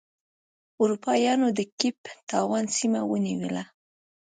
اروپا یانو د کیپ ټاون سیمه ونیوله.